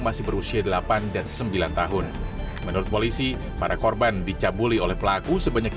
masih berusia delapan dan sembilan tahun menurut polisi para korban dicabuli oleh pelaku sebanyak